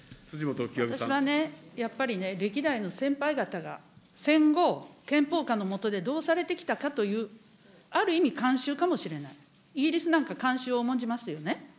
私はね、やっぱり歴代の先輩たちが、戦後、憲法下の下でどうされてきたかという、ある意味慣習かもしれない、イギリスなんか慣習を重んじますよね。